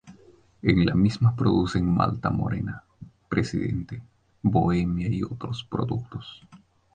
En la misma producen Malta Morena, Presidente, Bohemia y otros productos.